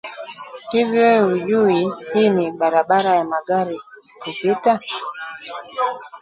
Hivi wewe hujui hii ni barabara na magari hupita?